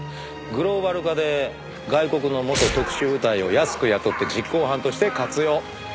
グローバル化で外国の元特殊部隊を安く雇って実行犯として活用。